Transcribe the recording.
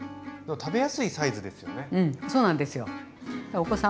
食べやすいサイズですよね。